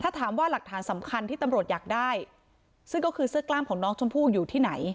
ถ้าถามว่าหลักฐานสำคัญที่ตำรวจอยากได้ซึ่งก็คือเสื้อกล้ามของน้องชมพู่อยู่ที่ไหน